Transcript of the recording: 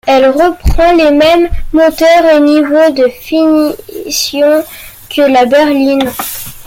Elle reprend les mêmes moteurs et niveaux de finitions que la berline.